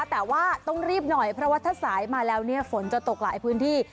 แต่ว่าต้องรีบหน่อยเพราะว่าถ้าสายมาแล้วเนี่ยฝนจะตกหลายพื้นที่